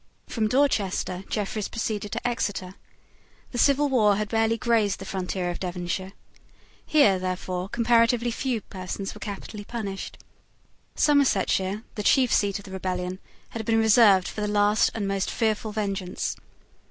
From Dorchester Jeffreys proceeded to Exeter. The civil war had barely grazed the frontier of Devonshire. Here, therefore, comparatively few persons were capitally punished. Somersetshire, the chief seat of the rebellion, had been reserved for the last and most fearful vengeance.